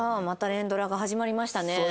また連ドラが始まりましたね。